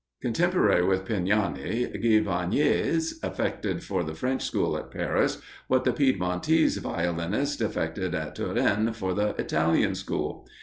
Contemporary with Pugnani, Gaviniès effected for the French school at Paris what the Piedmontese violinist effected at Turin for the Italian school.